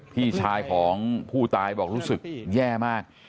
พี่ชายของผู้ตายบอกรู้สึกแย่มาก